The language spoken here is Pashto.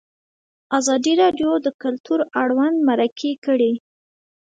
ازادي راډیو د کلتور اړوند مرکې کړي.